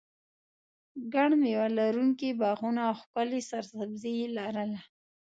ګڼ مېوه لرونکي باغونه او ښکلې سرسبزي یې لرله.